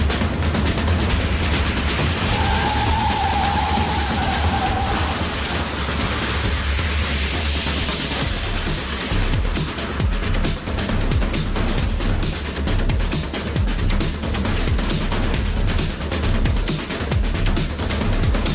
โหแบบนี้เขาเรียกว่าเทครับ